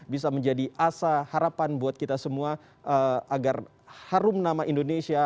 bisa menjadi asa harapan buat kita semua agar harum nama indonesia